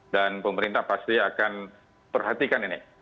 dan pemerintah pasti akan perhatikan ini